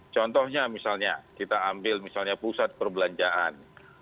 contohnya misalnya kita ambil misalnya pusat perbelanjaan